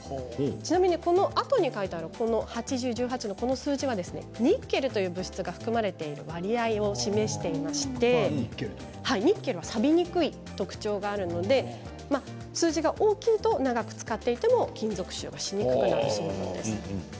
ちなみに、この後ろに書いてある８や１０、１８という数字はニッケルという物質が含まれている割合を示していましてニッケルはさびにくい特徴がありますので数字が大きいと長く使っていても金属臭がしづらくなるそうです。